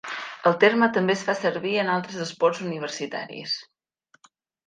El terme també es fa servir en altres esports universitaris.